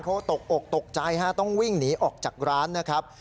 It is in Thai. เขาตกอกตกใจฮะต้องวิ่งหนีออกจากร้านนะครับ